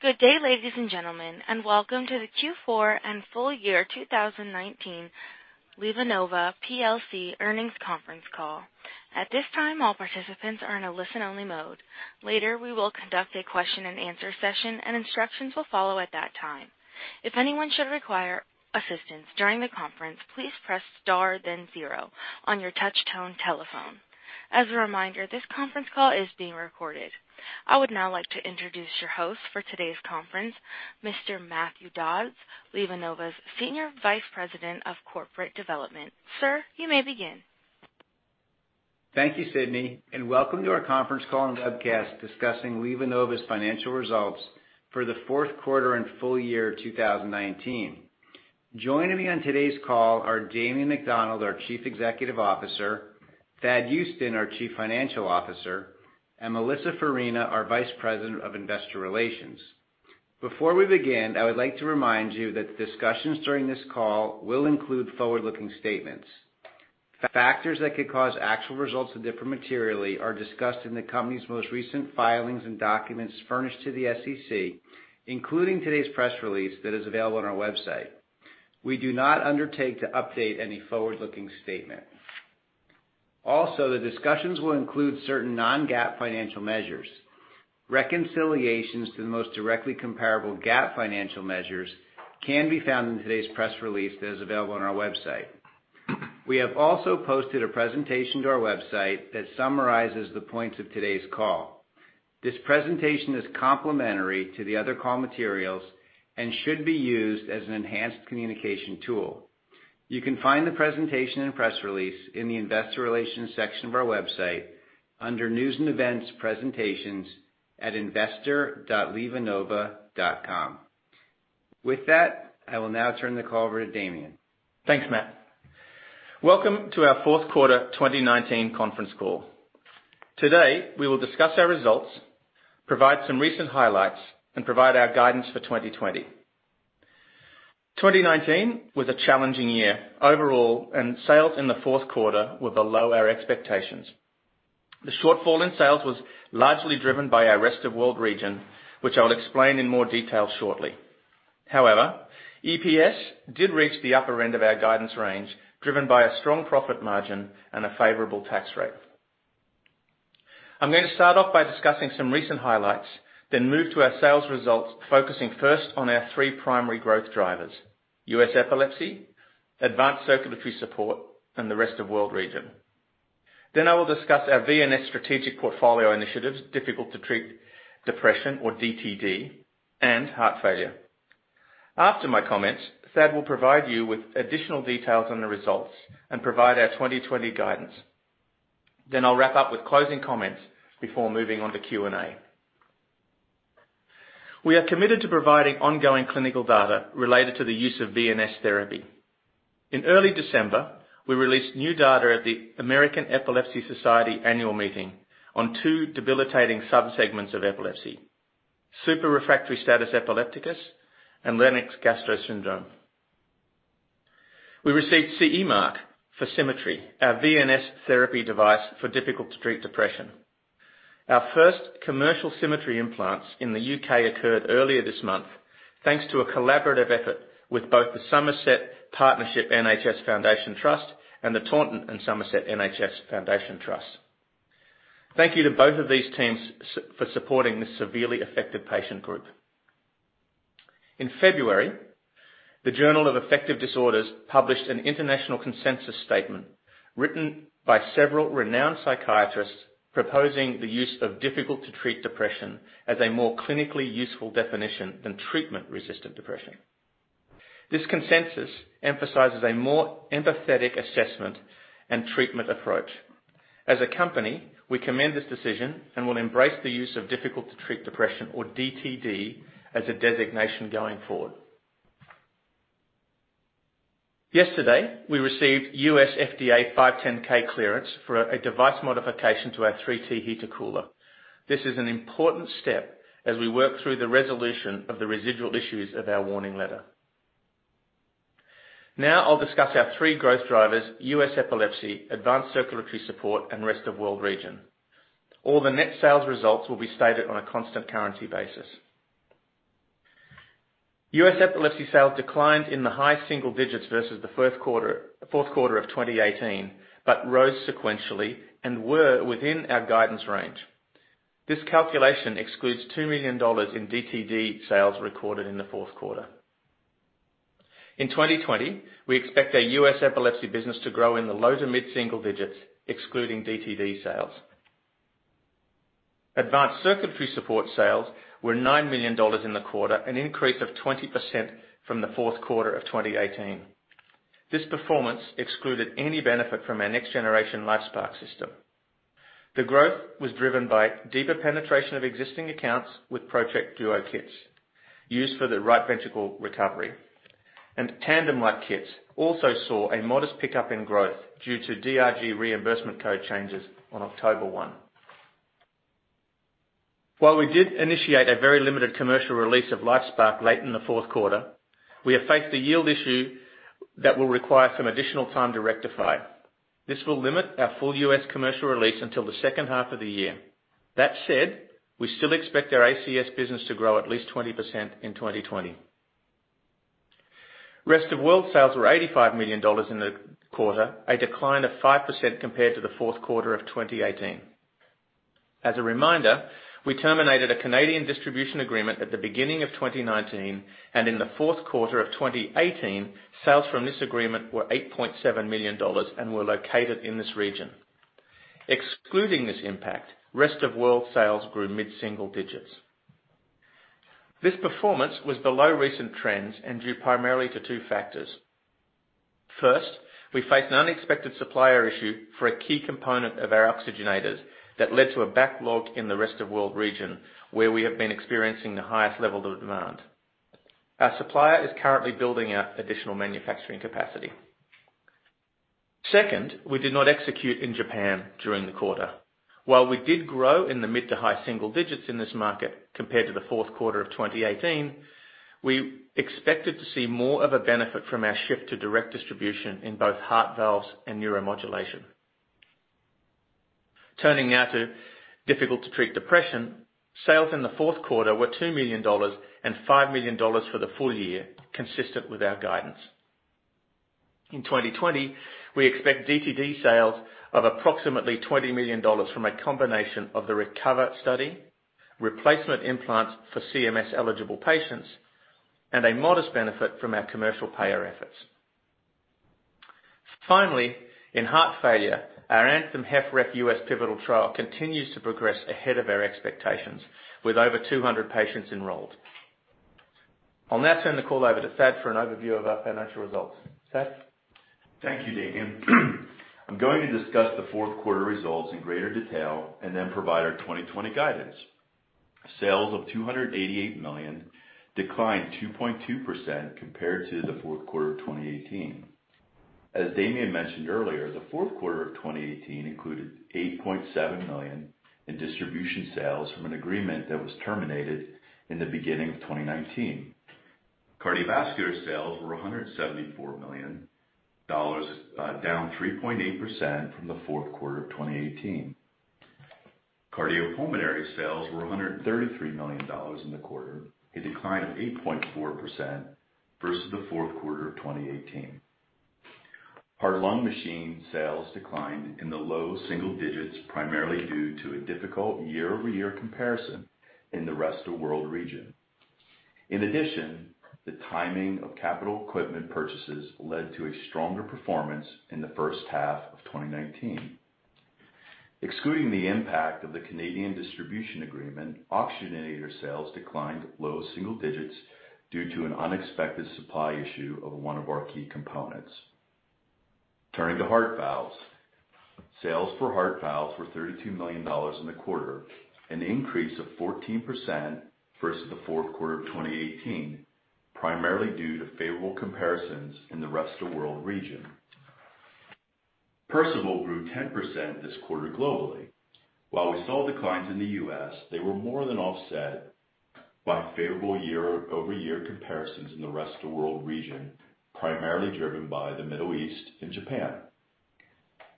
Good day, ladies and gentlemen, and welcome to the Q4 and full year 2019 LivaNova PLC earnings conference call. At this time, all participants are in a listen-only mode. Later, we will conduct a question and answer session. Instructions will follow at that time. If anyone should require assistance during the conference, please press star then zero on your touch-tone telephone. As a reminder, this conference call is being recorded. I would now like to introduce your host for today's conference, Mr. Matthew Dodds, LivaNova's Senior Vice President of Corporate Development. Sir, you may begin. Thank you, Sydney, and welcome to our conference call and webcast discussing LivaNova's financial results for the fourth quarter and full year 2019. Joining me on today's call are Damien McDonald, our Chief Executive Officer, Thad Huston, our Chief Financial Officer, and Melissa Farina, our Vice President of Investor Relations. Before we begin, I would like to remind you that the discussions during this call will include forward-looking statements. Factors that could cause actual results to differ materially are discussed in the company's most recent filings and documents furnished to the SEC, including today's press release that is available on our website. We do not undertake to update any forward-looking statement. The discussions will include certain non-GAAP financial measures. Reconciliations to the most directly comparable GAAP financial measures can be found in today's press release that is available on our website. We have also posted a presentation to our website that summarizes the points of today's call. This presentation is complementary to the other call materials and should be used as an enhanced communication tool. You can find the presentation and press release in the investor relations section of our website under News & Events, Presentations at investor.livanova.com. With that, I will now turn the call over to Damien. Thanks, Matt. Welcome to our fourth quarter 2019 conference call. Today, we will discuss our results, provide some recent highlights, and provide our guidance for 2020. 2019 was a challenging year overall, and sales in the fourth quarter were below our expectations. The shortfall in sales was largely driven by our Rest of World region, which I'll explain in more detail shortly. However, EPS did reach the upper end of our guidance range, driven by a strong profit margin and a favorable tax rate. I'm going to start off by discussing some recent highlights, then move to our sales results, focusing first on our three primary growth drivers: U.S. epilepsy, advanced circulatory support, and the Rest of World region. I will discuss our VNS strategic portfolio initiatives, difficult-to-treat depression, or DTD, and heart failure. After my comments, Thad will provide you with additional details on the results and provide our 2020 guidance. I'll wrap up with closing comments before moving on to Q&A. We are committed to providing ongoing clinical data related to the use of VNS therapy. In early December, we released new data at the American Epilepsy Society annual meeting on two debilitating subsegments of epilepsy, super-refractory status epilepticus and Lennox-Gastaut syndrome. We received CE mark for Symmetry, our VNS therapy device for difficult-to-treat depression. Our first commercial Symmetry implants in the U.K. occurred earlier this month thanks to a collaborative effort with both the Somerset Partnership NHS Foundation Trust and the Taunton and Somerset NHS Foundation Trust. Thank you to both of these teams for supporting this severely affected patient group. In February, the "Journal of Affective Disorders" published an international consensus statement written by several renowned psychiatrists proposing the use of Difficult-to-Treat Depression as a more clinically useful definition than Treatment-Resistant Depression. This consensus emphasizes a more empathetic assessment and treatment approach. As a company, we commend this decision and will embrace the use of Difficult-to-Treat Depression, or DTD, as a designation going forward. Yesterday, we received U.S. FDA 510(k) clearance for a device modification to our 3T Heater-Cooler. This is an important step as we work through the resolution of the residual issues of our warning letter. Now I'll discuss our three growth drivers, U.S. epilepsy, advanced circulatory support, and Rest of World region. All the net sales results will be stated on a constant currency basis. U.S. epilepsy sales declined in the high single digits versus the fourth quarter of 2018, but rose sequentially and were within our guidance range. This calculation excludes $2 million in DTD sales recorded in the fourth quarter. In 2020, we expect our U.S. epilepsy business to grow in the low to mid single digits, excluding DTD sales. Advanced Circulatory Support sales were $9 million in the quarter, an increase of 20% from the fourth quarter of 2018. This performance excluded any benefit from our next-generation LifeSPARC system. The growth was driven by deeper penetration of existing accounts with ProtekDuo kits used for the right ventricle recovery, and TandemLife kits also saw a modest pickup in growth due to DRG reimbursement code changes on October 1. While we did initiate a very limited commercial release of LifeSPARC late in the fourth quarter, we have faced a yield issue. That will require some additional time to rectify. This will limit our full U.S. commercial release until the second half of the year. That said, we still expect our ACS business to grow at least 20% in 2020. Rest of world sales were $85 million in the quarter, a decline of 5% compared to the fourth quarter of 2018. As a reminder, we terminated a Canadian distribution agreement at the beginning of 2019. In the fourth quarter of 2018, sales from this agreement were $8.7 million and were located in this region. Excluding this impact, rest of world sales grew mid-single digits. This performance was below recent trends and due primarily to two factors. First, we faced an unexpected supplier issue for a key component of our oxygenators that led to a backlog in the rest of world region, where we have been experiencing the highest level of demand. Our supplier is currently building out additional manufacturing capacity. Second, we did not execute in Japan during the quarter. While we did grow in the mid to high single digits in this market compared to the fourth quarter of 2018, we expected to see more of a benefit from our shift to direct distribution in both heart valves and neuromodulation. Turning now to Difficult-to-Treat Depression, sales in the fourth quarter were $2 million and $5 million for the full year, consistent with our guidance. In 2020, we expect DTD sales of approximately $20 million from a combination of the RECOVER study, replacement implants for CMS-eligible patients, and a modest benefit from our commercial payer efforts. Finally, in heart failure, our ANTHEM-HFrEF U.S. pivotal trial continues to progress ahead of our expectations, with over 200 patients enrolled. I'll now turn the call over to Thad for an overview of our financial results. Thad? Thank you, Damien. I'm going to discuss the fourth quarter results in greater detail and then provide our 2020 guidance. Sales of $288 million declined 2.2% compared to the fourth quarter of 2018. As Damien mentioned earlier, the fourth quarter of 2018 included $8.7 million in distribution sales from an agreement that was terminated in the beginning of 2019. Cardiovascular sales were $174 million, down 3.8% from the fourth quarter of 2018. Cardiopulmonary sales were $133 million in the quarter, a decline of 8.4% versus the fourth quarter of 2018. Heart-lung machine sales declined in the low single digits, primarily due to a difficult year-over-year comparison in the rest of world region. In addition, the timing of capital equipment purchases led to a stronger performance in the first half of 2019. Excluding the impact of the Canadian distribution agreement, oxygenator sales declined low single digits due to an unexpected supply issue of one of our key components. Turning to heart valves. Sales for heart valves were $32 million in the quarter, an increase of 14% versus the fourth quarter of 2018, primarily due to favorable comparisons in the rest of world region. Perceval grew 10% this quarter globally. While we saw declines in the U.S., they were more than offset by favorable year-over-year comparisons in the rest of world region, primarily driven by the Middle East and Japan.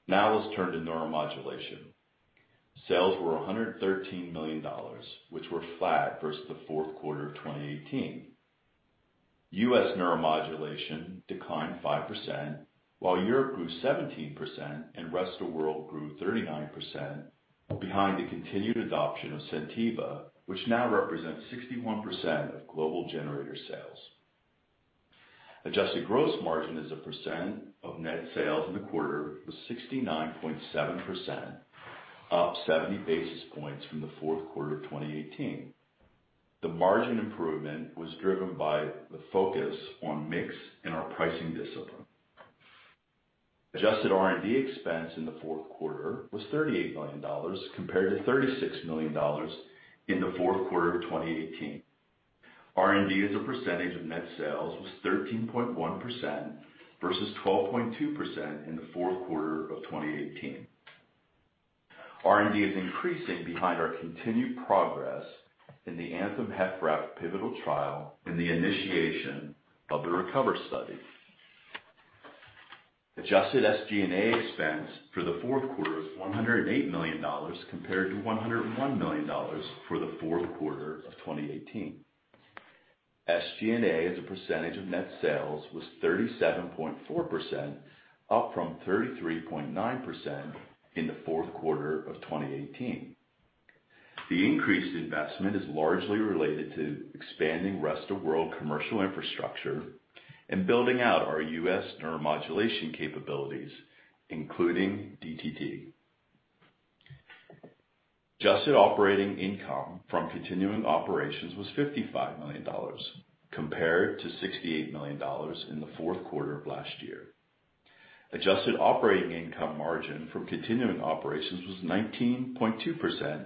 Now let's turn to neuromodulation. Sales were $113 million, which were flat versus the fourth quarter of 2018. U.S. neuromodulation declined 5%, while Europe grew 17% and rest of world grew 39% behind the continued adoption of SenTiva, which now represents 61% of global generator sales. Adjusted gross margin as a percent of net sales in the quarter was 69.7%, up 70 basis points from the fourth quarter of 2018. The margin improvement was driven by the focus on mix and our pricing discipline. Adjusted R&D expense in the fourth quarter was $38 million compared to $36 million in the fourth quarter of 2018. R&D as a percentage of net sales was 13.1% versus 12.2% in the fourth quarter of 2018. R&D is increasing behind our continued progress in the ANTHEM-HFrEF pivotal trial and the initiation of the RECOVER study. Adjusted SG&A expense for the fourth quarter was $108 million compared to $101 million for the fourth quarter of 2018. SG&A as a percent of net sales was 37.4%, up from 33.9% in the fourth quarter of 2018. The increased investment is largely related to expanding rest of world commercial infrastructure and building out our U.S. neuromodulation capabilities, including DTD. Adjusted operating income from continuing operations was $55 million compared to $68 million in the fourth quarter of last year. Adjusted operating income margin from continuing operations was 19.2%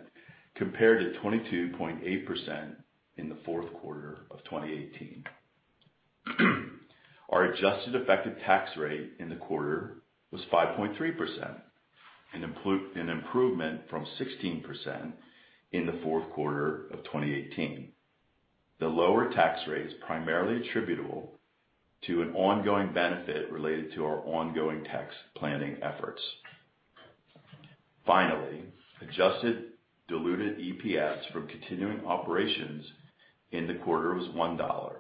compared to 22.8% in the fourth quarter of 2018. Our adjusted effective tax rate in the quarter was 5.3%, an improvement from 16% in the fourth quarter of 2018. The lower tax rate is primarily attributable to an ongoing benefit related to our ongoing tax planning efforts. Finally, adjusted diluted EPS from continuing operations in the quarter was $1,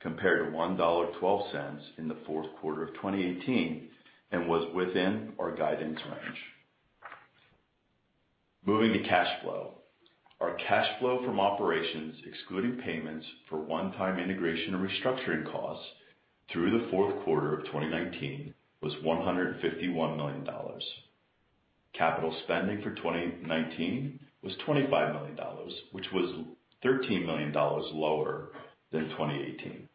compared to $1.12 in the fourth quarter of 2018, and was within our guidance range. Moving to cash flow. Our cash flow from operations, excluding payments for one-time integration and restructuring costs through the fourth quarter of 2019 was $151 million. Capital spending for 2019 was $25 million, which was $13 million lower than 2018.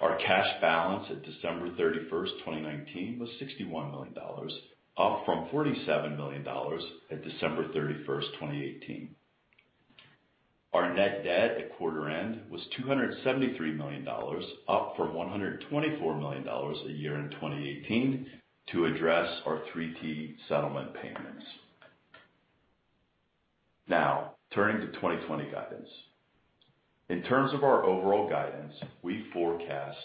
Our cash balance at December 31st, 2019 was $61 million, up from $47 million at December 31st, 2018. Our net debt at quarter end was $273 million, up from $124 million a year in 2018 to address our 3T settlement payments. Turning to 2020 guidance. In terms of our overall guidance, we forecast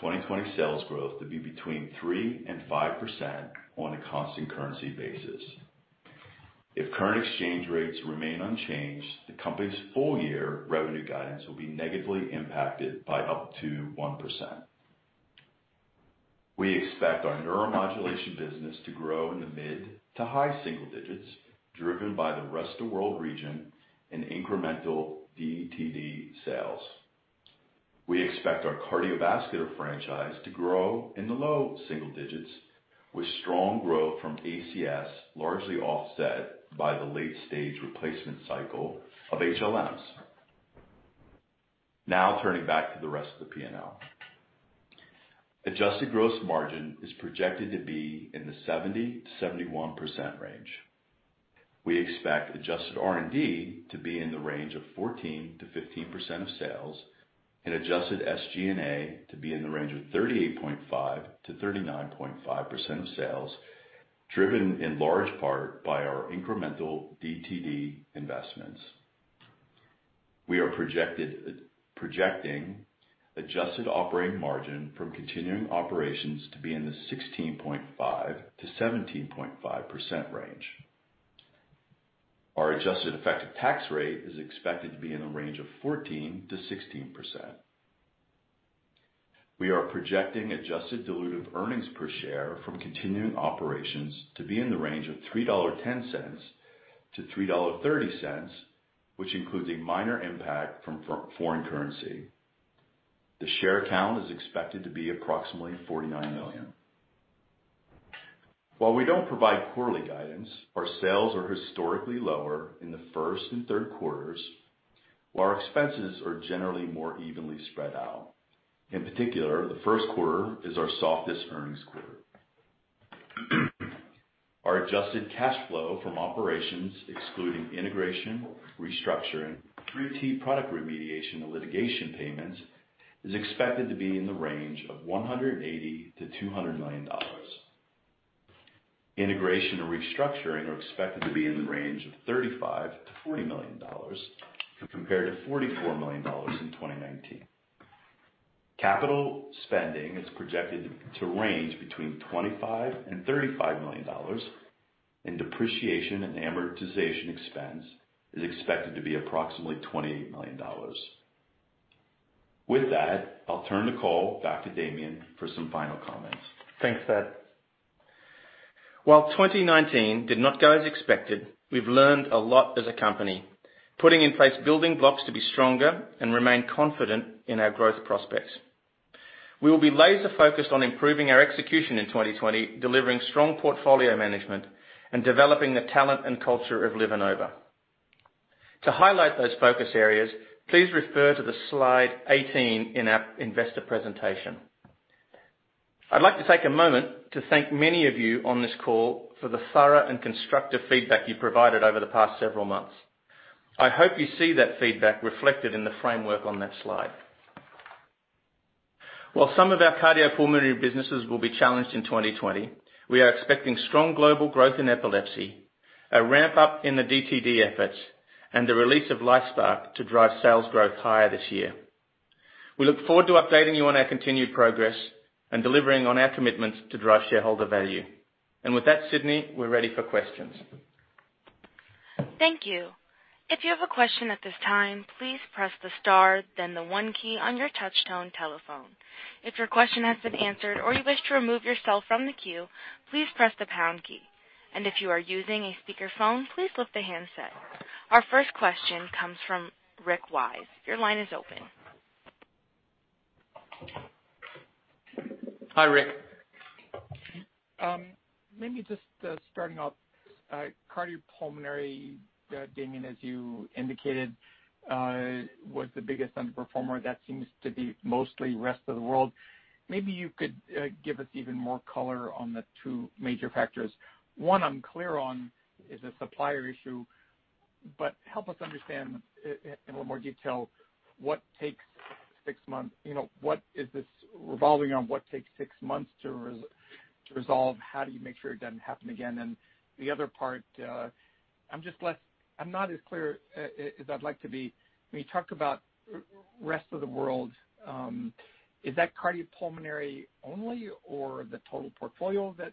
2020 sales growth to be between 3% and 5% on a constant currency basis. If current exchange rates remain unchanged, the company's full year revenue guidance will be negatively impacted by up to 1%. We expect our neuromodulation business to grow in the mid to high single digits, driven by the rest of world region and incremental DTD sales. We expect our cardiovascular franchise to grow in the low single digits with strong growth from ACS, largely offset by the late stage replacement cycle of HLMs. Now turning back to the rest of the P&L. Adjusted gross margin is projected to be in the 70%-71% range. We expect adjusted R&D to be in the range of 14%-15% of sales, and adjusted SG&A to be in the range of 38.5%-39.5% of sales, driven in large part by our incremental DTD investments. We are projecting adjusted operating margin from continuing operations to be in the 16.5%-17.5% range. Our adjusted effective tax rate is expected to be in the range of 14%-16%. We are projecting adjusted dilutive earnings per share from continuing operations to be in the range of $3.10-$3.30, which includes a minor impact from foreign currency. The share count is expected to be approximately 49 million. While we don't provide quarterly guidance, our sales are historically lower in the first and third quarters, while our expenses are generally more evenly spread out. In particular, the first quarter is our softest earnings quarter. Our adjusted cash flow from operations, excluding integration, restructuring, 3T product remediation, and litigation payments, is expected to be in the range of $180 million-$200 million. Integration and restructuring are expected to be in the range of $35 million-$40 million, compared to $44 million in 2019. Capital spending is projected to range between $25 million and $35 million, and depreciation and amortization expense is expected to be approximately $28 million. With that, I'll turn the call back to Damien for some final comments. Thanks, Thad. While 2019 did not go as expected, we've learned a lot as a company, putting in place building blocks to be stronger and remain confident in our growth prospects. We will be laser-focused on improving our execution in 2020, delivering strong portfolio management, and developing the talent and culture of LivaNova. To highlight those focus areas, please refer to the slide 18 in our investor presentation. I'd like to take a moment to thank many of you on this call for the thorough and constructive feedback you've provided over the past several months. I hope you see that feedback reflected in the framework on that slide. While some of our cardiopulmonary businesses will be challenged in 2020, we are expecting strong global growth in epilepsy, a ramp-up in the DTD efforts, and the release of LifeSPARC to drive sales growth higher this year. We look forward to updating you on our continued progress and delivering on our commitments to drive shareholder value. With that, Sydney, we're ready for questions. Thank you. If you have a question at this time, please press the star then the one key on your touchtone telephone. If your question has been answered or you wish to remove yourself from the queue, please press the pound key. If you are using a speakerphone, please lift the handset. Our first question comes from Rick Wise. Your line is open. Hi, Rick. Maybe just starting off, cardiopulmonary, Damien, as you indicated, was the biggest underperformer. That seems to be mostly rest of the world. Maybe you could give us even more color on the two major factors. One I'm clear on is a supplier issue, but help us understand in a little more detail what takes six months. Is this revolving on what takes six months to resolve? How do you make sure it doesn't happen again? The other part, I'm not as clear as I'd like to be. When you talk about rest of the world, is that cardiopulmonary only or the total portfolio that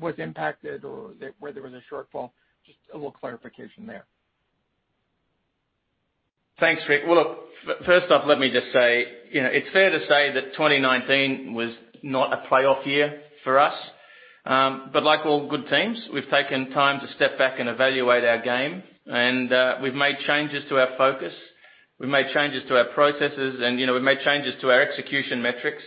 was impacted, or where there was a shortfall? Just a little clarification there. Thanks, Rick. Well, look, first off, let me just say, it's fair to say that 2019 was not a playoff year for us. Like all good teams, we've taken time to step back and evaluate our game. We've made changes to our focus. We've made changes to our processes. We've made changes to our execution metrics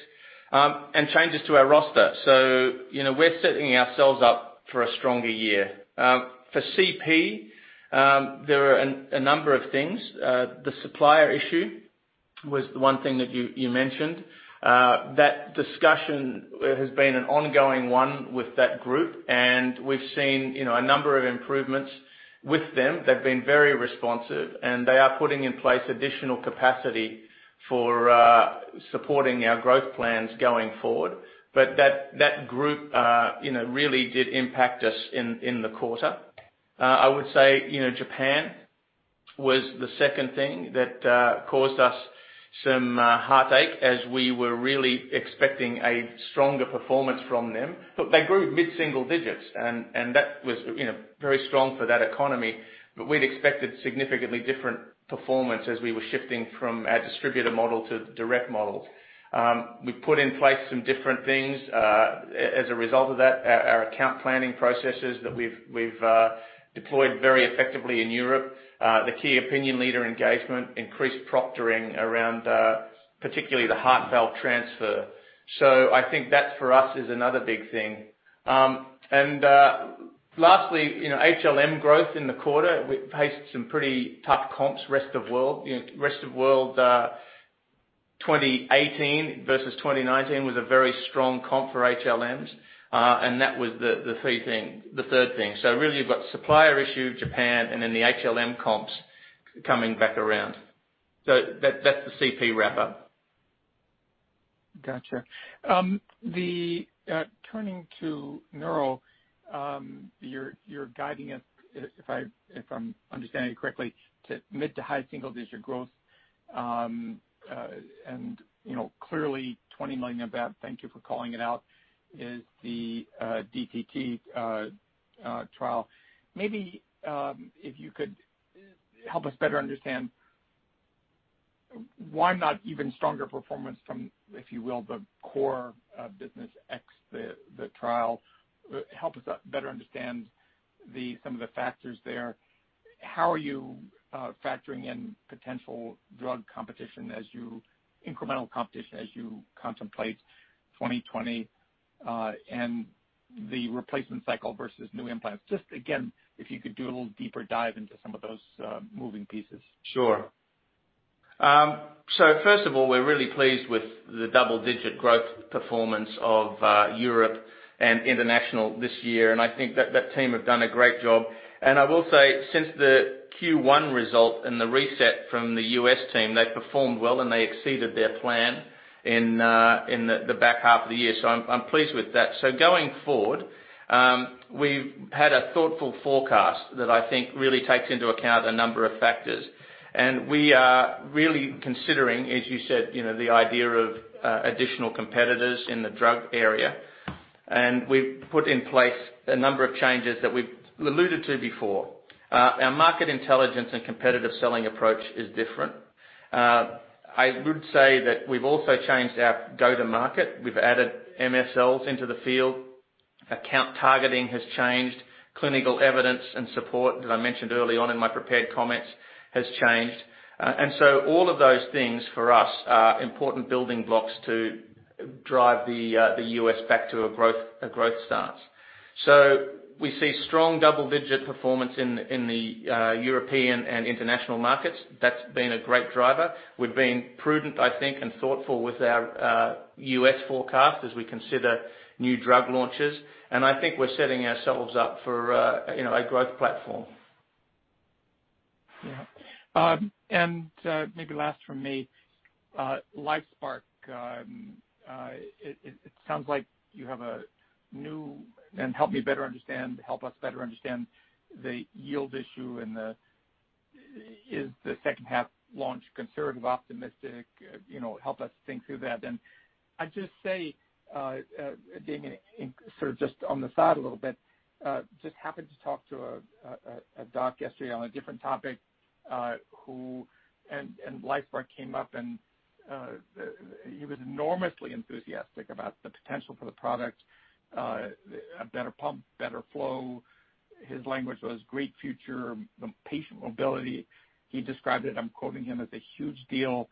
and changes to our roster. We're setting ourselves up for a stronger year. For CP, there are a number of things. The supplier issue was one thing that you mentioned. That discussion has been an ongoing one with that group. We've seen a number of improvements with them. They've been very responsive. They are putting in place additional capacity for supporting our growth plans going forward. That group really did impact us in the quarter. I would say, Japan was the second thing that caused us some heartache as we were really expecting a stronger performance from them. Look, they grew mid-single digits, and that was very strong for that economy. We'd expected significantly different performance as we were shifting from our distributor model to the direct model. We've put in place some different things, as a result of that. Our account planning processes that we've deployed very effectively in Europe. The key opinion leader engagement, increased proctoring around particularly the heart valve transfer. I think that, for us, is another big thing. Lastly, HLM growth in the quarter, we faced some pretty tough comps rest of world. Rest of world 2018 versus 2019 was a very strong comp for HLMs, and that was the third thing. Really, you've got supplier issue, Japan, and then the HLM comps coming back around. That's the CP wrap up. Got you. Turning to neuro, you're guiding us, if I'm understanding it correctly, to mid to high single digit growth. Clearly $20 million of that, thank you for calling it out, is the DTD trial. Maybe if you could help us better understand why not even stronger performance from, if you will, the core business ex the trial. Help us better understand some of the factors there. How are you factoring in potential incremental competition as you contemplate 2020 and the replacement cycle versus new implants? Just again, if you could do a little deeper dive into some of those moving pieces. Sure. First of all, we're really pleased with the double-digit growth performance of Europe and international this year, and I think that that team have done a great job. I will say since the Q1 result and the reset from the U.S. team, they've performed well, and they exceeded their plan in the back half of the year. I'm pleased with that. Going forward, we've had a thoughtful forecast that I think really takes into account a number of factors. We are really considering, as you said, the idea of additional competitors in the drug area. We've put in place a number of changes that we've alluded to before. Our market intelligence and competitive selling approach is different. I would say that we've also changed our go to market. We've added MSLs into the field. Account targeting has changed. Clinical evidence and support that I mentioned early on in my prepared comments has changed. All of those things for us are important building blocks to drive the U.S. back to a growth stance. We see strong double-digit performance in the European and international markets. That's been a great driver. We've been prudent, I think, and thoughtful with our U.S. forecast as we consider new drug launches. I think we're setting ourselves up for a growth platform. Yeah. Maybe last from me, LifeSPARC. It sounds like help us better understand the yield issue and is the second half launch conservative, optimistic? Help us think through that. I'd just say, Damien, sort of just on the side a little bit, just happened to talk to a doc yesterday on a different topic, and LifeSPARC came up and he was enormously enthusiastic about the potential for the product. A better pump, better flow. His language was great future, patient mobility. He described it, I'm quoting him, "as a huge deal."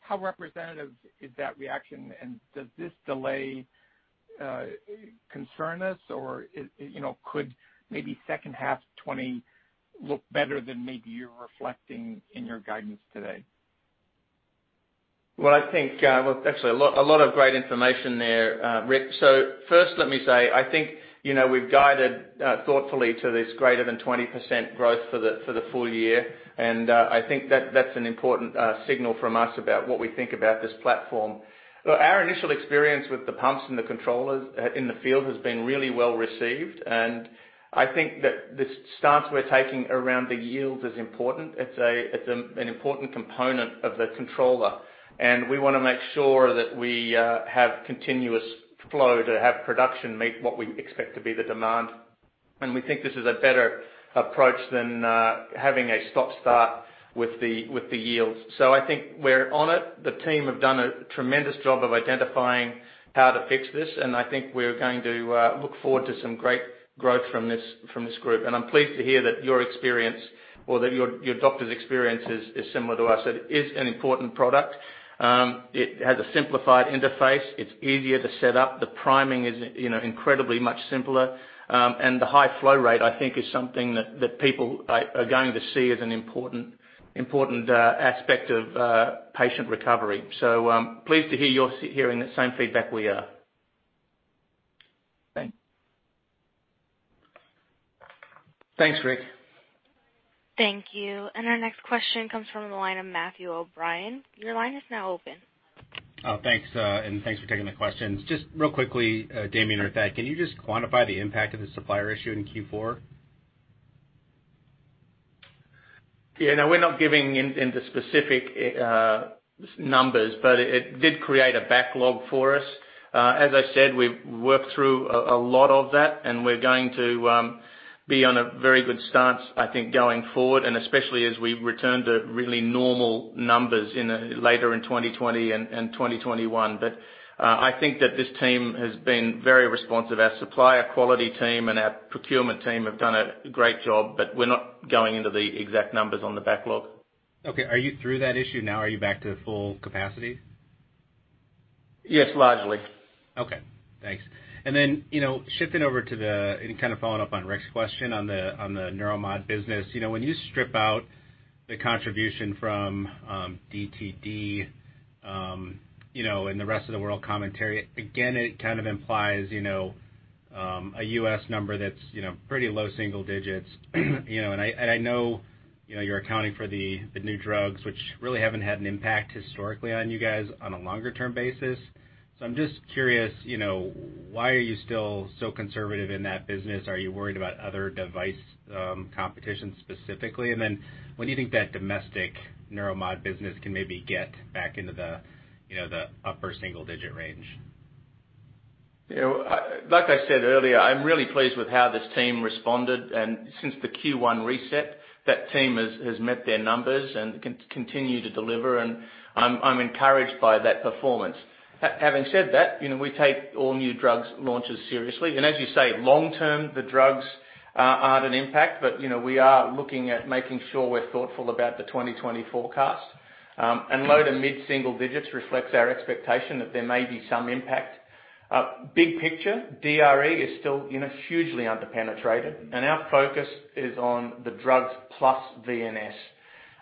How representative is that reaction, and does this delay concern us, or could maybe second half 2020 look better than maybe you're reflecting in your guidance today? I think, actually a lot of great information there, Rick. First, let me say, I think we've guided thoughtfully to this greater than 20% growth for the full year, and I think that's an important signal from us about what we think about this platform. Our initial experience with the pumps and the controllers in the field has been really well-received, and I think that the stance we're taking around the yield is important. It's an important component of the controller, and we want to make sure that we have continuous flow to have production meet what we expect to be the demand. We think this is a better approach than having a stop-start with the yields. I think we're on it. The team have done a tremendous job of identifying how to fix this. I think we're going to look forward to some great growth from this group. I'm pleased to hear that your experience or that your doctor's experience is similar to us. That it is an important product. It has a simplified interface. It's easier to set up. The priming is incredibly much simpler. The high flow rate, I think, is something that people are going to see as an important aspect of patient recovery. Pleased to hear you're hearing the same feedback we are. Thanks. Thanks, Rick. Thank you. Our next question comes from the line of Matthew O'Brien. Your line is now open. Oh, thanks. Thanks for taking the questions. Just real quickly, Damien or Thad, can you just quantify the impact of the supplier issue in Q4? No, we're not giving into specific numbers, but it did create a backlog for us. As I said, we've worked through a lot of that, and we're going to be on a very good stance, I think, going forward, and especially as we return to really normal numbers later in 2020 and 2021. I think that this team has been very responsive. Our supplier quality team and our procurement team have done a great job, but we're not going into the exact numbers on the backlog. Okay. Are you through that issue now? Are you back to full capacity? Yes, largely. Okay. Thanks. Shifting over to the, kind of following up on Rick's question on the Neuromod business. When you strip out the contribution from DTD, the rest of the world commentary, again, it kind of implies, a U.S. number that's pretty low single digits. I know you're accounting for the new drugs, which really haven't had an impact historically on you guys on a longer-term basis. I'm just curious, why are you still so conservative in that business? Are you worried about other device competition specifically? When do you think that domestic Neuromod business can maybe get back into the upper single-digit range? Like I said earlier, I'm really pleased with how this team responded. Since the Q1 reset, that team has met their numbers and continue to deliver, and I'm encouraged by that performance. Having said that, we take all new drugs launches seriously. As you say, long term, the drugs aren't an impact, but we are looking at making sure we're thoughtful about the 2020 forecast. Low to mid single digits reflects our expectation that there may be some impact. Big picture, DRE is still hugely under-penetrated, and our focus is on the drugs plus VNS.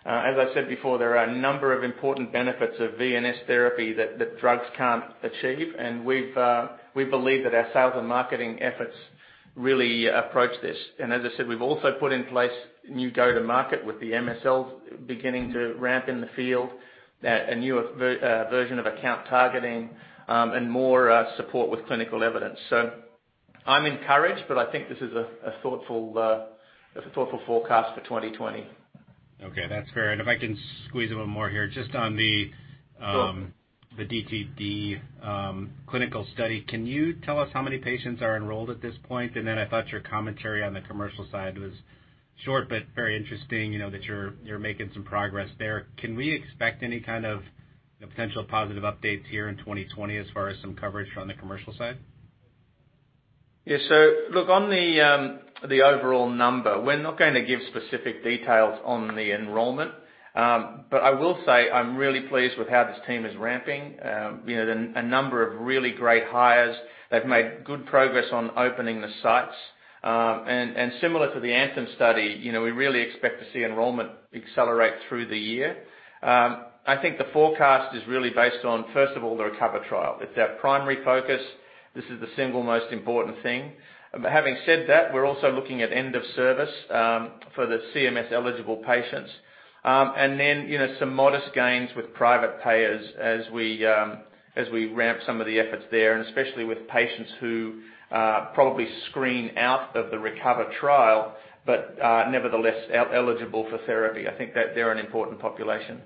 As I said before, there are a number of important benefits of VNS Therapy that drugs can't achieve, and we believe that our sales and marketing efforts really approach this. As I said, we've also put in place new go to market with the MSLs beginning to ramp in the field, a newer version of account targeting, and more support with clinical evidence. I'm encouraged, but I think this is a thoughtful forecast for 2020. Okay, that's fair. If I can squeeze a little more here, just on the- Sure the DTD clinical study. Can you tell us how many patients are enrolled at this point? Then I thought your commentary on the commercial side was short but very interesting, that you're making some progress there. Can we expect any kind of potential positive updates here in 2020 as far as some coverage on the commercial side? Look, on the overall number, we're not going to give specific details on the enrollment. I will say I'm really pleased with how this team is ramping. A number of really great hires. They've made good progress on opening the sites. Similar to the ANTHEM study, we really expect to see enrollment accelerate through the year. I think the forecast is really based on, first of all, the RECOVER trial. It's our primary focus. This is the single most important thing. Having said that, we're also looking at end of service for the CMS-eligible patients. Some modest gains with private payers as we ramp some of the efforts there, and especially with patients who probably screen out of the RECOVER trial, but are nevertheless eligible for therapy. I think that they're an important population.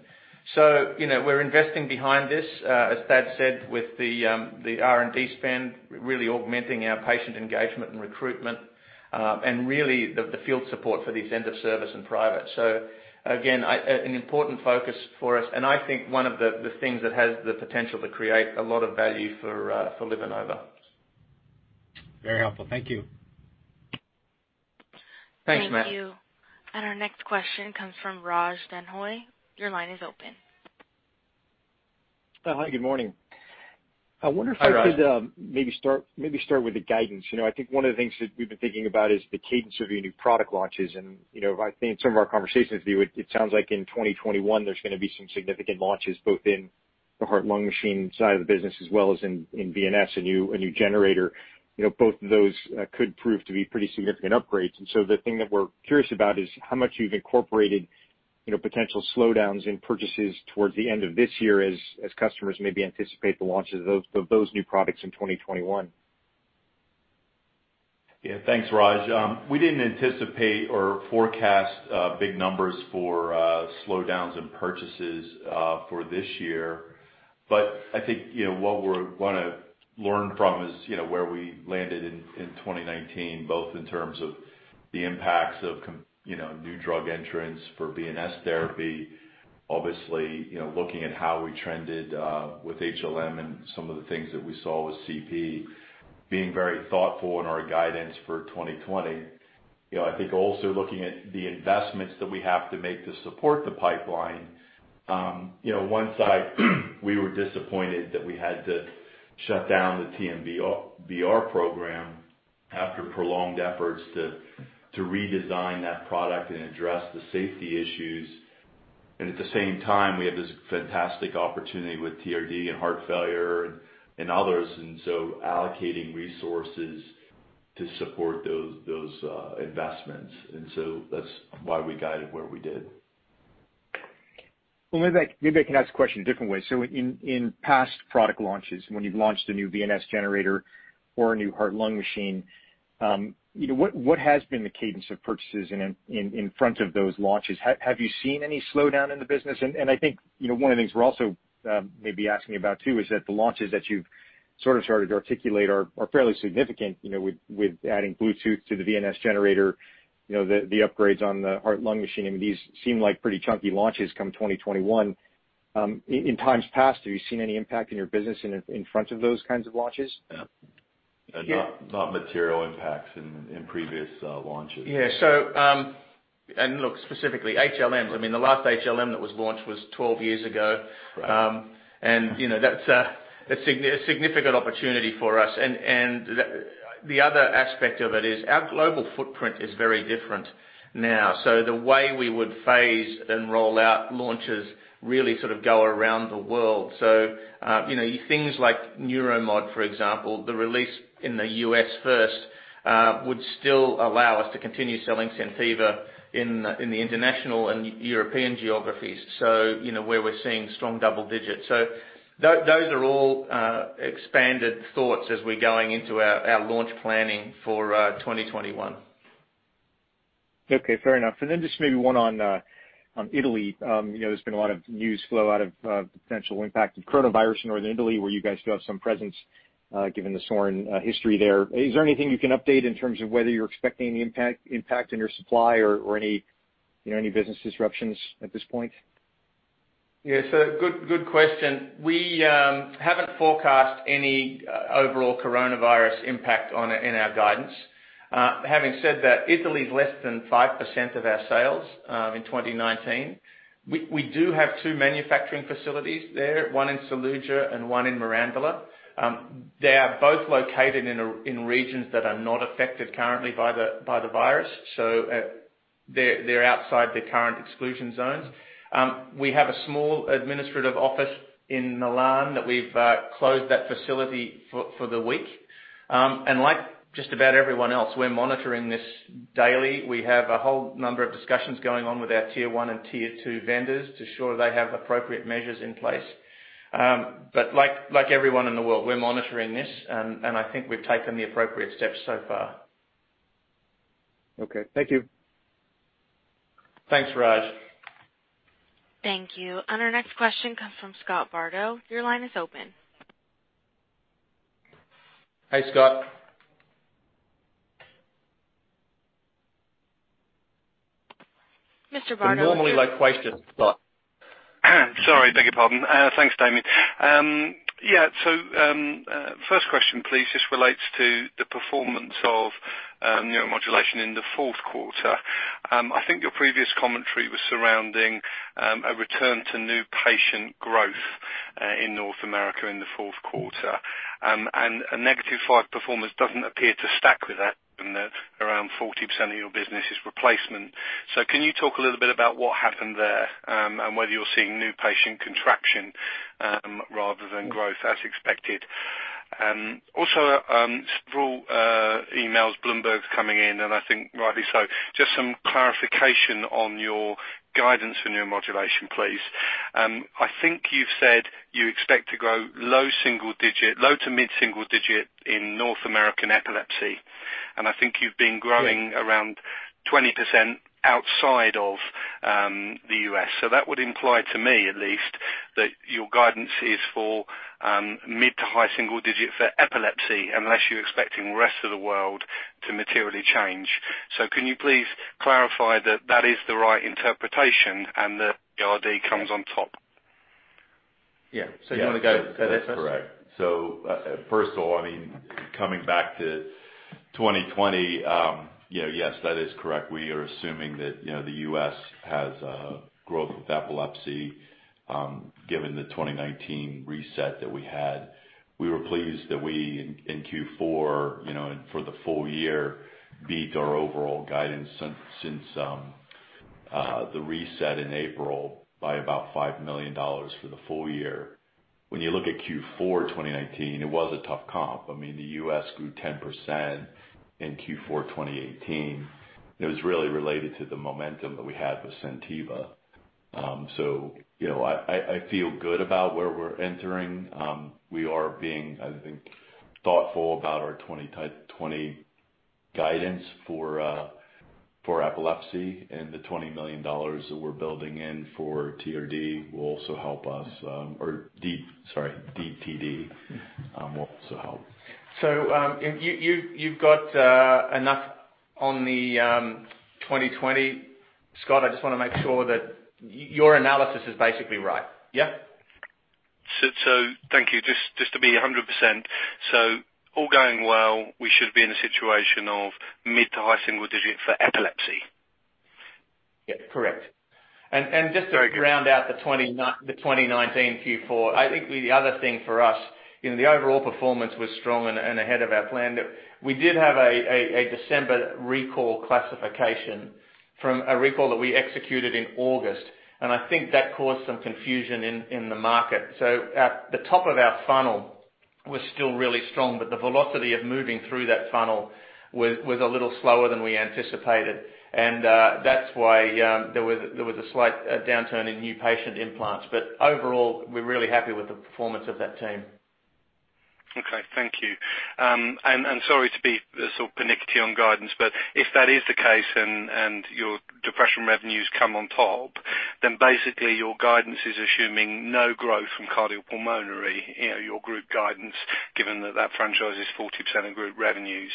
We're investing behind this, as Thad said, with the R&D spend, really augmenting our patient engagement and recruitment. Really, the field support for these end of service and private. Again, an important focus for us, and I think one of the things that has the potential to create a lot of value for LivaNova. Very helpful. Thank you. Thanks, Matt. Thank you. Our next question comes from Raj Denhoy. Your line is open. Hi, good morning. I wonder if I could maybe start with the guidance. I think one of the things that we've been thinking about is the cadence of your new product launches. I think some of our conversations with you, it sounds like in 2021 there's going to be some significant launches, both in the heart-lung machine side of the business as well as in VNS, a new generator. Both of those could prove to be pretty significant upgrades. The thing that we're curious about is how much you've incorporated potential slowdowns in purchases towards the end of this year as customers maybe anticipate the launch of those new products in 2021. Yeah. Thanks, Raj. We didn't anticipate or forecast big numbers for slowdowns in purchases for this year. I think what we want to learn from is where we landed in 2019, both in terms of the impacts of new drug entrants for VNS therapy. Obviously, looking at how we trended with HLM and some of the things that we saw with CP, being very thoughtful in our guidance for 2020. I think also looking at the investments that we have to make to support the pipeline. One side, we were disappointed that we had to shut down the TMVR program after prolonged efforts to redesign that product and address the safety issues. At the same time, we have this fantastic opportunity with TRD and heart failure and others, allocating resources to support those investments. That's why we guided where we did. Well, maybe I can ask the question a different way. In past product launches, when you've launched a new VNS generator or a new heart-lung machine, what has been the cadence of purchases in front of those launches? Have you seen any slowdown in the business? I think one of the things we're also maybe asking about too is that the launches that you've sort of started to articulate are fairly significant with adding Bluetooth to the VNS generator, the upgrades on the heart-lung machine. I mean, these seem like pretty chunky launches come 2021. In times past, have you seen any impact in your business in front of those kinds of launches? Yeah. Not material impacts in previous launches. Yeah. Look, specifically HLMs. I mean the last HLM that was launched was 12 years ago. Right. That's a significant opportunity for us. The other aspect of it is our global footprint is very different now. The way we would phase and roll out launches really sort of go around the world. Things like Neuromod, for example, the release in the U.S. first would still allow us to continue selling SenTiva in the international and European geographies, so where we're seeing strong double digits. Those are all expanded thoughts as we're going into our launch planning for 2021. Okay. Fair enough. Then just maybe one on Italy. There's been a lot of news flow out of potential impact of coronavirus in Northern Italy, where you guys do have some presence given the Sorin history there. Is there anything you can update in terms of whether you're expecting any impact on your supply or any business disruptions at this point? Yeah. Good question. We haven't forecast any overall coronavirus impact in our guidance. Having said that, Italy is less than 5% of our sales in 2019. We do have two manufacturing facilities there, one in Saluggia and one in Mirandola. They are both located in regions that are not affected currently by the virus. They're outside the current exclusion zones. We have a small administrative office in Milan that we've closed that facility for the week. Like just about everyone else, we're monitoring this daily. We have a whole number of discussions going on with our tier 1 and tier 2 vendors to ensure they have appropriate measures in place. Like everyone in the world, we're monitoring this, and I think we've taken the appropriate steps so far. Okay. Thank you. Thanks, Raj. Thank you. Our next question comes from Scott Bardo. Your line is open. Hey, Scott. Mr. Bardo? We normally like questions, Scott. Sorry, beg your pardon. Thanks, Damien. Yeah. First question, please. This relates to the performance of neuromodulation in the fourth quarter. I think your previous commentary was surrounding a return to new patient growth in North America in the fourth quarter. A -5% performance doesn't appear to stack with that given that around 40% of your business is replacement. Can you talk a little bit about what happened there, and whether you're seeing new patient contraction rather than growth as expected? Also, saw emails, Bloomberg coming in, and I think rightly so. Just some clarification on your guidance for neuromodulation, please. I think you've said you expect to grow low to mid-single digit in North American epilepsy, and I think you've been growing around 20% outside of the U.S. That would imply to me at least that your guidance is for mid to high single digit for epilepsy, unless you're expecting the rest of the world to materially change. Can you please clarify that that is the right interpretation and that TRD comes on top? Yeah. You want to go, Scott? That's correct. First of all, I mean, coming back to 2020, yes, that is correct. We are assuming that the U.S. has a growth of epilepsy, given the 2019 reset that we had. We were pleased that we, in Q4, and for the full year, beat our overall guidance since the reset in April by about $5 million for the full year. When you look at Q4 2019, it was a tough comp. The U.S. grew 10% in Q4 2018. It was really related to the momentum that we had with SenTiva. I feel good about where we're entering. We are being, I think, thoughtful about our 2020 guidance for epilepsy and the $20 million that we're building in for TRD will also help us. Or sorry, DTD, will also help. You've got enough on the 2020. Scott, I just want to make sure that your analysis is basically right. Yeah? Thank you. Just to be 100%, so all going well, we should be in a situation of mid to high single digit for epilepsy. Yeah. Correct. Just to round out the 2019 Q4, I think the other thing for us, the overall performance was strong and ahead of our plan. We did have a December recall classification from a recall that we executed in August, and I think that caused some confusion in the market. At the top of our funnel was still really strong, but the velocity of moving through that funnel was a little slower than we anticipated. That's why there was a slight downturn in new patient implants. Overall, we're really happy with the performance of that team. Okay. Thank you. Sorry to be so pernickety on guidance, but if that is the case, and your depression revenues come on top, basically your guidance is assuming no growth from cardiopulmonary, your group guidance, given that that franchise is 40% of group revenues.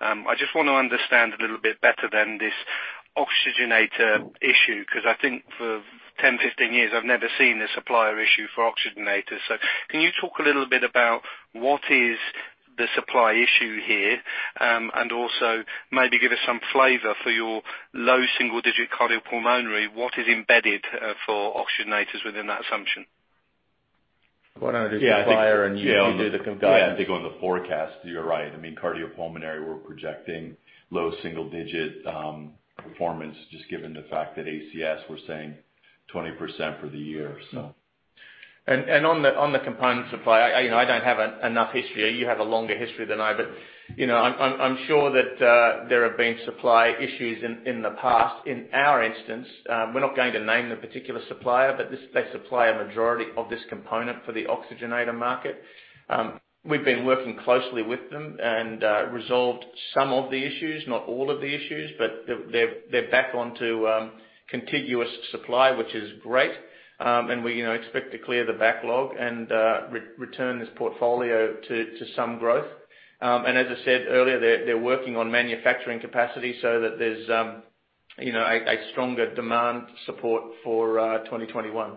I just want to understand a little bit better then, this oxygenator issue. I think for 10, 15 years, I've never seen a supplier issue for oxygenators. Can you talk a little bit about what is the supply issue here? Also maybe give us some flavor for your low single-digit cardiopulmonary, what is embedded for oxygenators within that assumption? Why don't I do supplier and you do the comp-. Yeah. I think on the forecast, you're right. Cardiopulmonary, we're projecting low single digit performance, just given the fact that ACS, we're saying 20% for the year. I don't have enough history. You have a longer history than I, but I'm sure that there have been supply issues in the past. In our instance, we're not going to name the particular supplier, but they supply a majority of this component for the oxygenator market. We've been working closely with them and resolved some of the issues, not all of the issues, but they're back onto contiguous supply, which is great. We expect to clear the backlog and return this portfolio to some growth. As I said earlier, they're working on manufacturing capacity so that there's a stronger demand support for 2021.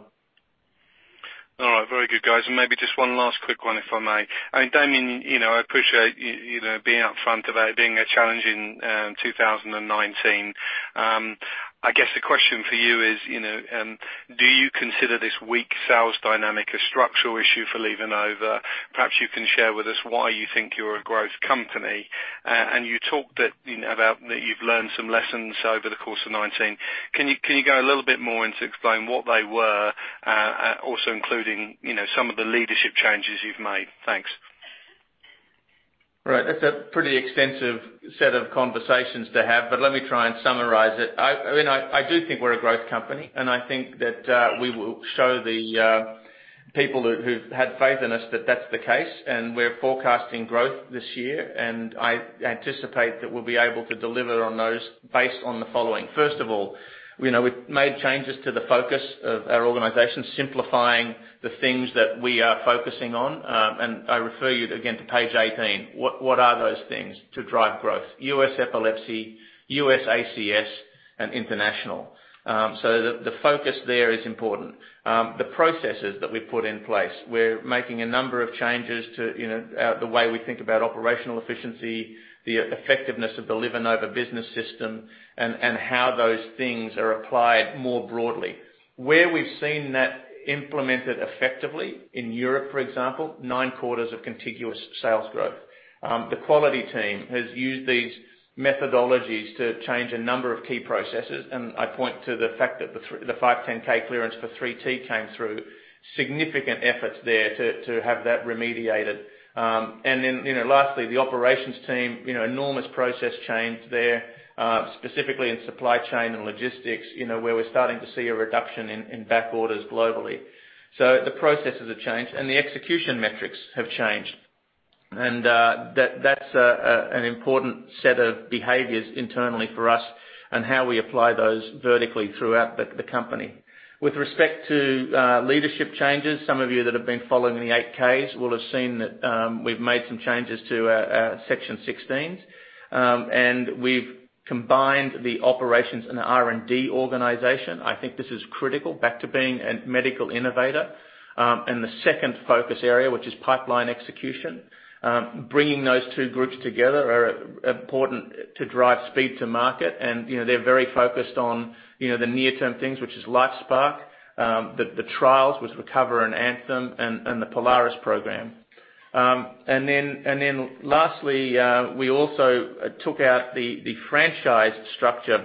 All right. Very good, guys. Maybe just one last quick one, if I may. Damien, I appreciate you being upfront about it being a challenge in 2019. I guess the question for you is, do you consider this weak sales dynamic a structural issue for LivaNova? Perhaps you can share with us why you think you're a growth company. You talked about that you've learned some lessons over the course of 2019. Can you go a little bit more and to explain what they were, also including some of the leadership changes you've made? Thanks. Right. That's a pretty extensive set of conversations to have, but let me try and summarize it. I do think we're a growth company, and I think that we will show the people who've had faith in us that that's the case, and we're forecasting growth this year. I anticipate that we'll be able to deliver on those based on the following. First of all, we've made changes to the focus of our organization, simplifying the things that we are focusing on. I refer you again to page 18. What are those things to drive growth? U.S. epilepsy, U.S. ACS, and international. The focus there is important. The processes that we've put in place. We're making a number of changes to the way we think about operational efficiency, the effectiveness of the LivaNova business system, and how those things are applied more broadly. Where we've seen that implemented effectively, in Europe, for example, nine quarters of contiguous sales growth. The quality team has used these methodologies to change a number of key processes, and I point to the fact that the 510 clearance for 3T came through. Significant efforts there to have that remediated. Lastly, the operations team, enormous process change there, specifically in supply chain and logistics, where we're starting to see a reduction in back orders globally. The processes have changed, and the execution metrics have changed. That's an important set of behaviors internally for us and how we apply those vertically throughout the company. With respect to leadership changes, some of you that have been following the 8-Ks will have seen that we've made some changes to our Section 16s. We've combined the operations and R&D organization. I think this is critical, back to being a medical innovator. The second focus area, which is pipeline execution. Bringing those two groups together are important to drive speed to market, and they're very focused on the near-term things, which is LifeSPARC, the trials with RECOVER and ANTHEM, and the Polaris program. Lastly, we also took out the franchise structure,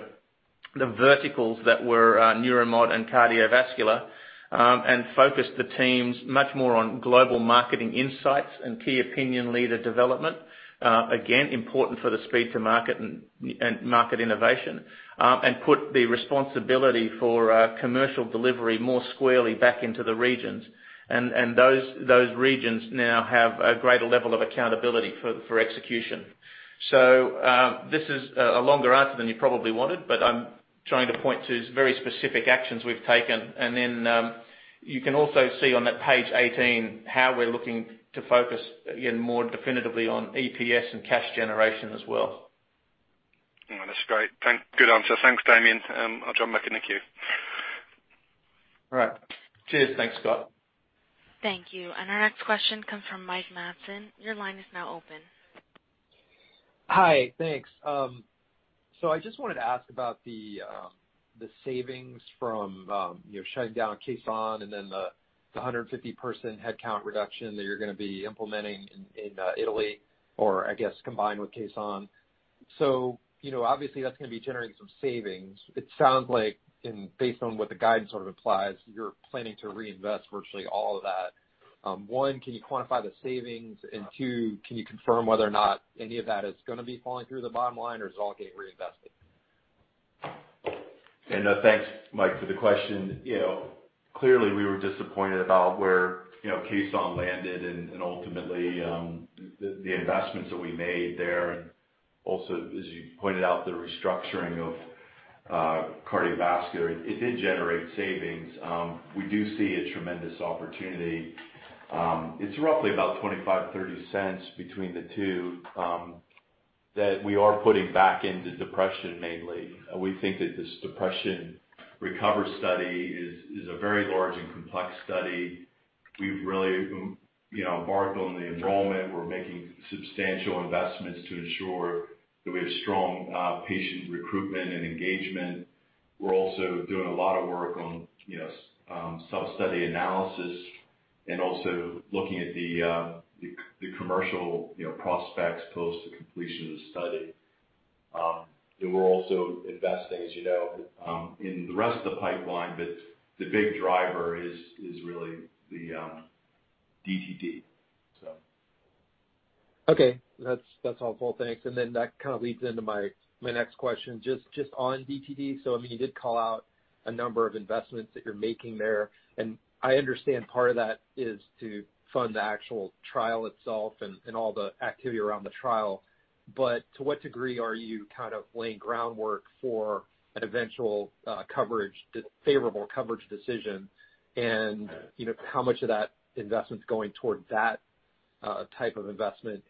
the verticals that were neuro mod and cardiovascular, and focused the teams much more on global marketing insights and key opinion leader development. Again, important for the speed to market and market innovation. Put the responsibility for commercial delivery more squarely back into the regions. Those regions now have a greater level of accountability for execution. This is a longer answer than you probably wanted, but I'm trying to point to very specific actions we've taken. You can also see on that page 18 how we're looking to focus again more definitively on EPS and cash generation as well. No, that's great. Good answer. Thanks, Damien. I'll jump back in the queue. All right. Cheers. Thanks, Scott. Thank you. Our next question comes from Mike Matson. Your line is now open. Hi. Thanks. I just wanted to ask about the savings from shutting down Caisson and then the 150-person headcount reduction that you're going to be implementing in Italy, or I guess, combined with Caisson. Obviously that's going to be generating some savings. It sounds like, based on what the guidance sort of implies, you're planning to reinvest virtually all of that. One, can you quantify the savings? Two, can you confirm whether or not any of that is going to be falling through the bottom line, or is it all getting reinvested? Thanks, Mike, for the question. Clearly, we were disappointed about where Caisson landed and ultimately, the investments that we made there, and also, as you pointed out, the restructuring of cardiovascular. It did generate savings. We do see a tremendous opportunity. It's roughly about $0.25, $0.30 between the two that we are putting back into depression, mainly. We think that this depression RECOVER study is a very large and complex study. We've really embarked on the enrollment. We're making substantial investments to ensure that we have strong patient recruitment and engagement. We're also doing a lot of work on sub-study analysis and also looking at the commercial prospects post the completion of the study. We're also investing, as you know, in the rest of the pipeline. The big driver is really the DTD. Okay. That's helpful. Thanks. That kind of leads into my next question, just on DTD. You did call out a number of investments that you're making there, and I understand part of that is to fund the actual trial itself and all the activity around the trial. To what degree are you kind of laying groundwork for an eventual favorable coverage decision? How much of that investment's going toward that type of investment?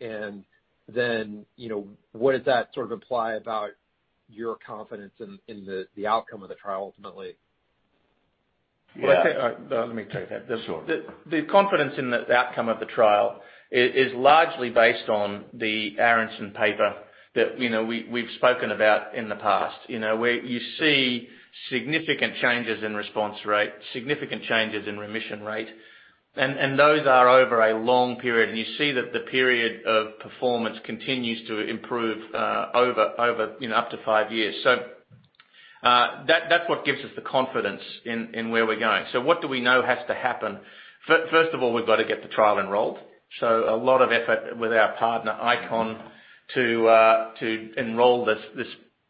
What does that sort of imply about your confidence in the outcome of the trial, ultimately? Let me take that. Sure. The confidence in the outcome of the trial is largely based on the Aaronson paper that we've spoken about in the past, where you see significant changes in response rate, significant changes in remission rate. Those are over a long period, and you see that the period of performance continues to improve up to five years. That's what gives us the confidence in where we're going. What do we know has to happen? First of all, we've got to get the trial enrolled. A lot of effort with our partner, ICON, to enroll this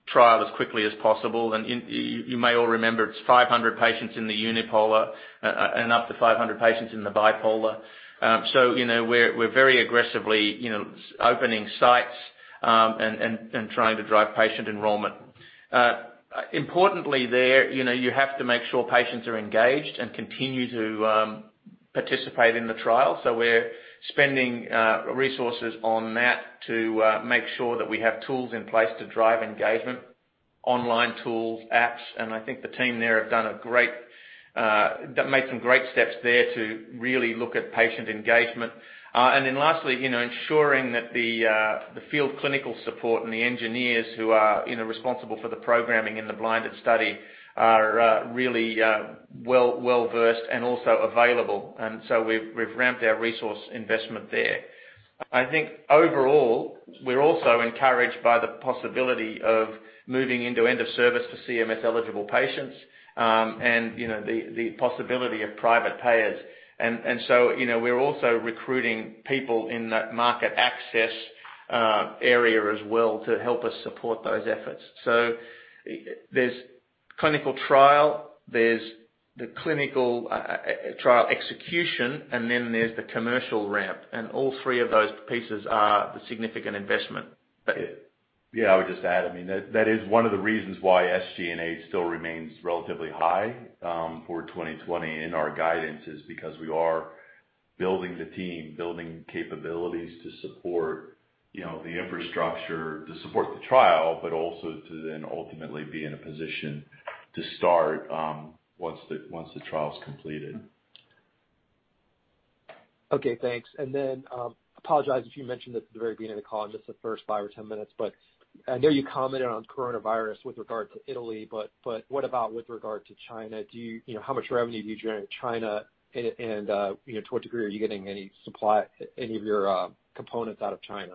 trial as quickly as possible. You may all remember, it's 500 patients in the unipolar and up to 500 patients in the bipolar. We're very aggressively opening sites and trying to drive patient enrollment. Importantly there, you have to make sure patients are engaged and continue to participate in the trial. We're spending resources on that to make sure that we have tools in place to drive engagement, online tools, apps. I think the team there have made some great steps there to really look at patient engagement. Lastly, ensuring that the field clinical support and the engineers who are responsible for the programming in the blinded study are really well-versed and also available. We've ramped our resource investment there. I think overall, we're also encouraged by the possibility of moving into end of service for CMS-eligible patients and the possibility of private payers. We're also recruiting people in that market access area as well to help us support those efforts. There's clinical trial, there's the clinical trial execution, and then there's the commercial ramp. All three of those pieces are the significant investment. Yeah, I would just add, that is one of the reasons why SG&A still remains relatively high for 2020 in our guidance is because we are building the team, building capabilities to support the infrastructure, to support the trial, but also to then ultimately be in a position to start once the trial's completed. Okay, thanks. Apologize if you mentioned this at the very beginning of the call, in just the first five or 10 minutes. I know you commented on coronavirus with regard to Italy. What about with regard to China? How much revenue do you do in China, and to what degree are you getting any of your components out of China?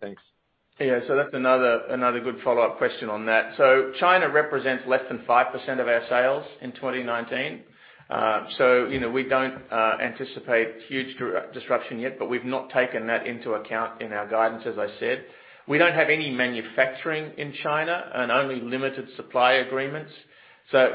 Thanks. Yeah. That's another good follow-up question on that. China represents less than 5% of our sales in 2019. We don't anticipate huge disruption yet, but we've not taken that into account in our guidance, as I said. We don't have any manufacturing in China, and only limited supply agreements.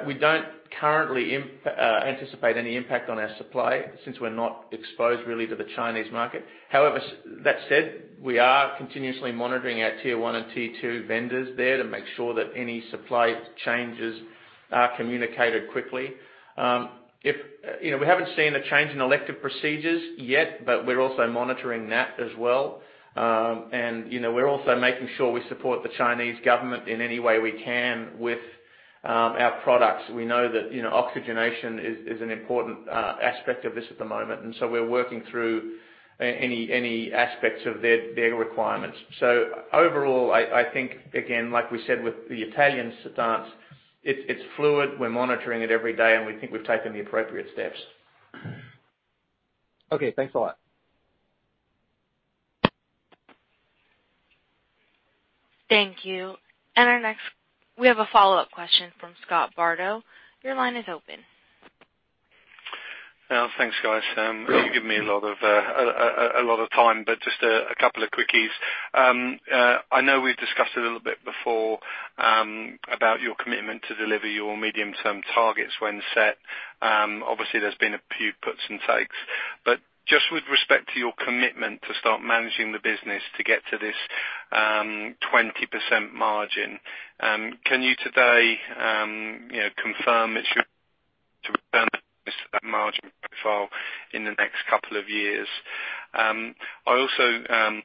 We don't currently anticipate any impact on our supply since we're not exposed really to the Chinese market. However, that said, we are continuously monitoring our tier 1 and tier 2 vendors there to make sure that any supply changes are communicated quickly. We haven't seen a change in elective procedures yet, but we're also monitoring that as well. We're also making sure we support the Chinese government in any way we can with our products. We know that oxygenation is an important aspect of this at the moment. We're working through any aspects of their requirements. Overall, I think, again, like we said with the Italian stance, it's fluid. We're monitoring it every day. We think we've taken the appropriate steps. Okay. Thanks a lot. Thank you. Our next, we have a follow-up question from Scott Bardo. Your line is open. Thanks, guys. You've given me a lot of time, just a couple of quickies. I know we've discussed it a little bit before, about your commitment to deliver your medium-term targets when set. Obviously, there's been a few puts and takes. Just with respect to your commitment to start managing the business to get to this 20% margin, can you today confirm that you're that margin profile in the next couple of years? I also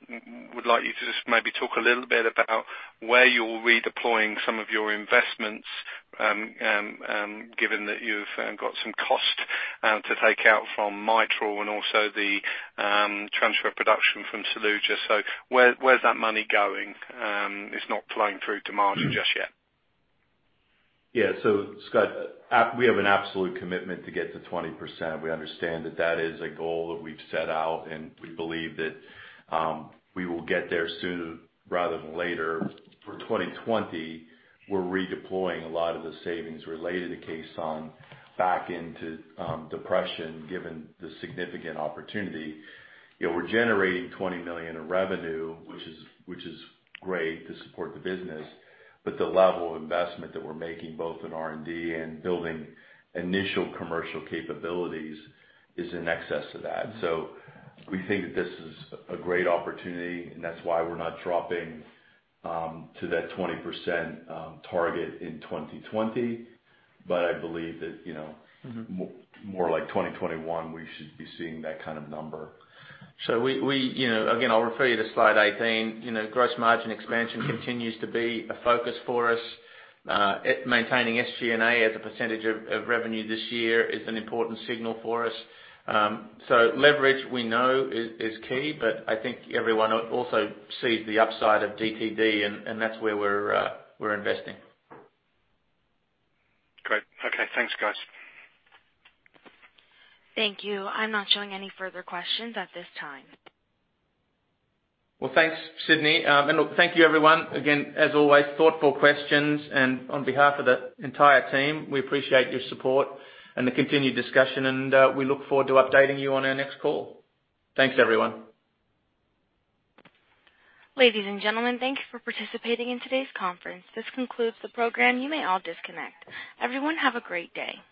would like you to just maybe talk a little bit about where you're redeploying some of your investments, given that you've got some cost to take out from Mitro and also the transfer of production from Saluggia. Where's that money going? It's not flowing through to margin just yet. Yeah. Scott, we have an absolute commitment to get to 20%. We understand that that is a goal that we've set out, and we believe that we will get there sooner rather than later. For 2020, we're redeploying a lot of the savings related to Caisson back into depression, given the significant opportunity. We're generating $20 million of revenue, which is great to support the business, but the level of investment that we're making both in R&D and building initial commercial capabilities is in excess of that. We think that this is a great opportunity, and that's why we're not dropping to that 20% target in 2020. I believe that more like 2021, we should be seeing that kind of number. Again, I'll refer you to slide 18. Gross margin expansion continues to be a focus for us. Maintaining SG&A as a percentage of revenue this year is an important signal for us. Leverage, we know, is key, but I think everyone also sees the upside of DTD, and that's where we're investing. Great. Okay. Thanks, guys. Thank you. I'm not showing any further questions at this time. Well, thanks, Sydney. Look, thank you, everyone. Again, as always, thoughtful questions, on behalf of the entire team, we appreciate your support and the continued discussion, and we look forward to updating you on our next call. Thanks, everyone. Ladies and gentlemen, thank you for participating in today's conference. This concludes the program. You may all disconnect. Everyone, have a great day.